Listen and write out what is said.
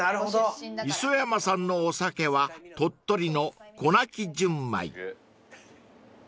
［磯山さんのお酒は鳥取のこなき純米］